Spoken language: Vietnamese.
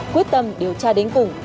quyết tâm điều tra đến cùng